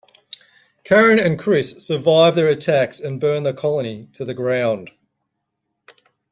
Karen and Chris survive their attacks and burn the Colony to the ground.